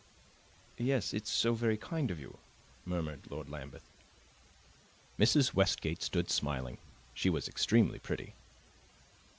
"Yes, it's so very kind of you," murmured Lord Lambeth. Mrs. Westgate stood smiling; she was extremely pretty.